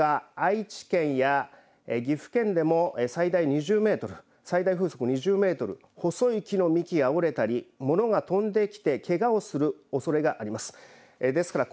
そのほか愛知県や岐阜県でも最大２０メートル最大風速２０メートル細い木の幹が折れたり物が飛んできてけがをするおそれがあります。